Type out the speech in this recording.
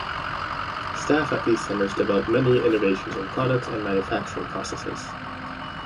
Staff at these centres developed many innovations in products and manufacturing processes.